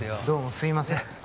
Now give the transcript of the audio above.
どうもすいません